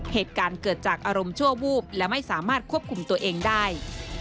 เหตุการณ์เกิดจากอารมณ์ชั่ววูบและไม่สามารถควบคุมตัวเองได้